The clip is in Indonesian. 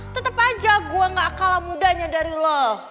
tetap aja gue gak kalah mudanya dari lo